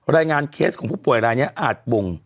รายงานเคสของผู้ป่วยอะไรเนี่ยอาจบ่ง